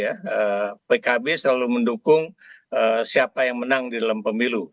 ya pkb selalu mendukung siapa yang menang di dalam pemilu